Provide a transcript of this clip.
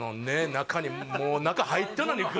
中にもう中入ってんのにぐ